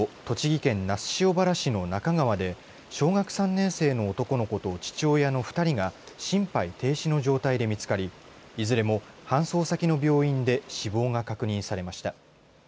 きょう午後栃木県那須塩原市の那珂川で小学３年生の男の子と父親の２人が心肺停止の状態で見つかりいずれも搬送先の病院で死亡が確認されました。